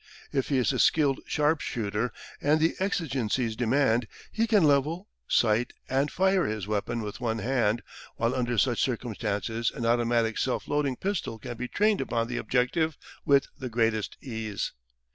If he is a skilled sharpshooter, and the exigencies demand, he can level, sight, and fire his weapon with one hand, while under such circumstances an automatic self loading pistol can be trained upon the objective with the greatest ease.